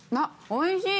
おいしい。